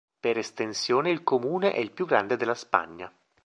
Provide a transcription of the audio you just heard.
Per estensione il comune è il più grande della Spagna.